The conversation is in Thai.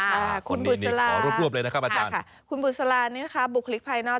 อ่ะคุณบุษราคุณบุษรานี่นะคะบุคลิกไพลนอธ